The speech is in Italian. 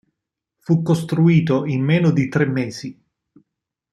Fu costruito in meno di tre mesi.